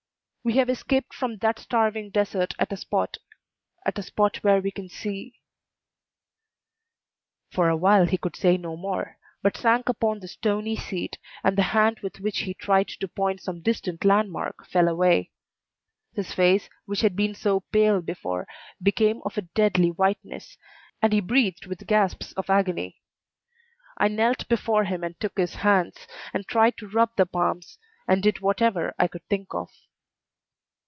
We have escaped from that starving desert at a spot at a spot where we can see " For a little while he could say no more, but sank upon the stony seat, and the hand with which he tried to point some distant landmark fell away. His face, which had been so pale before, became of a deadly whiteness, and he breathed with gasps of agony. I knelt before him and took his hands, and tried to rub the palms, and did whatever I could think of.